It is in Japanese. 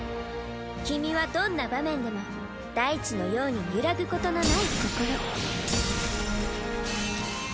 君はどんな場面でも大地のように揺らぐことのない心。